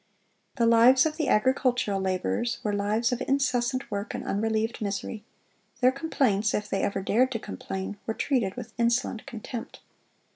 The lives of the agricultural laborers were lives of incessant work and unrelieved misery; their complaints, if they ever dared to complain, were treated with insolent contempt.